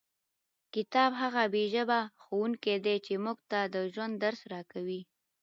کتاب هغه بې ژبې ښوونکی دی چې موږ ته د ژوند درس راکوي.